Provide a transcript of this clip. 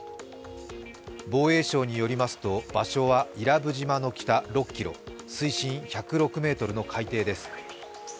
防衛省によりますと場所は伊良部島の北６ｋｍ、水深１０６ｍの海底です。